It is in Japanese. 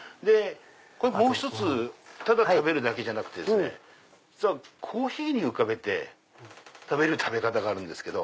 これもう１つただ食べるだけじゃなくてコーヒーに浮かべて食べる食べ方があるんですけど。